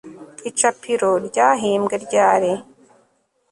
Icapiro ryahimbwe ryari